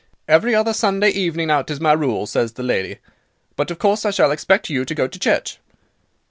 "'Every other Sunday evening out is my rule,' says the lady, 'but of course I shall expect you to go to church.